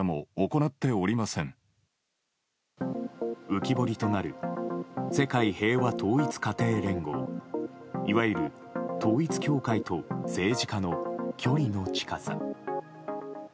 浮き彫りとなる世界平和統一家庭連合いわゆる統一教会と政治家の距離の近さ。